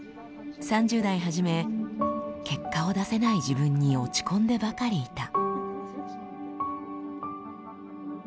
３０代初め結果を出せない自分に落ち込んでばかりいた。